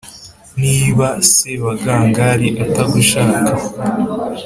Niba Sebagangali atagushaka